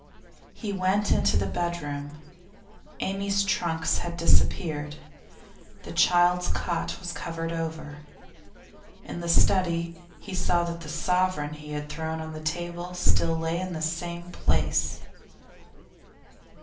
He went into the bedroom. Amy's trunks had disappeared. The child's cot was covered over. In the study, he saw that the sovereign he had thrown on to the table still lay in the same place.